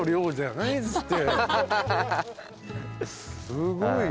すごい。